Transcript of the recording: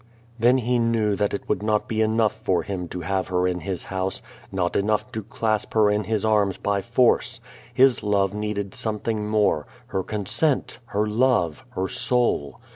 Then he knew that it would not be enough for him to have her in his house, not enough to clasp her in his arms by force. His love needed something more, her consent, her love, her soul.